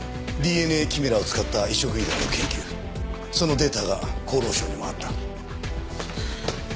ＤＮＡキメラを使った移植医療の研究そのデータが厚労省にもあった。